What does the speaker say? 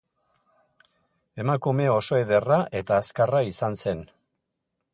Emakume oso ederra eta azkarra izan zen.